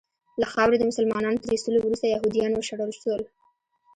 له خاورې د مسلمانانو تر ایستلو وروسته یهودیان وشړل سول.